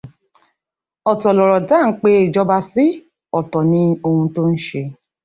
Ọ̀tọ̀ lọ̀rọ̀ táa ń pè ìjọba sí ọ̀tọ̀ ni ohun tọ́ ń ṣe.